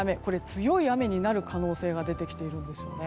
強い雨になる可能性も出てきています。